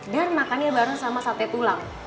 dan makannya bareng sama sate tulang